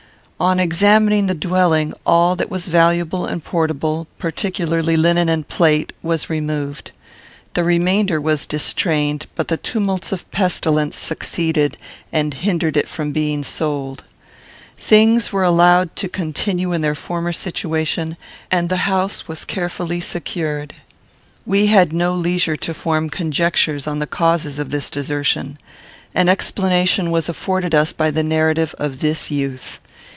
On examining the dwelling, all that was valuable and portable, particularly linen and plate, was removed. The remainder was distrained, but the tumults of pestilence succeeded and hindered it from being sold. Things were allowed to continue in their former situation, and the house was carefully secured. We had no leisure to form conjectures on the causes of this desertion. An explanation was afforded us by the narrative of this youth.